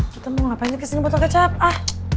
kita mau ngapain disini botol kecap ah